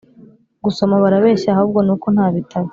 gusoma barabeshya, ahubwo ni uko nta bitabo